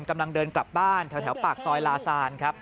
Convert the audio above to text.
กำลังเดินกลับบ้านแถวปากซอยลาซานครับ